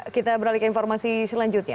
kita beralih ke informasi selanjutnya